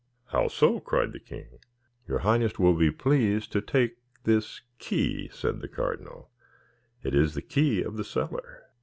"How so?" cried the king. "Your highness will be pleased to take this key," said the cardinal; "it is the key of the cellar."